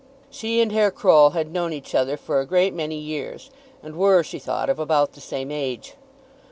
She and Herr Croll had known each other for a great many years, and were, she thought, of about the same age.